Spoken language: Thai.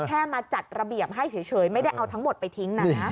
แค่มาจัดระเบียบให้เฉยไม่ได้เอาทั้งหมดไปทิ้งนะ